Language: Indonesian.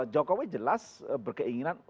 jokowi jelas berkeinginan